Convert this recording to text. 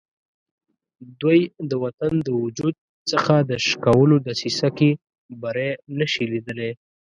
دوی د وطن د وجود څخه د شکولو دسیسه کې بری نه شي لیدلای.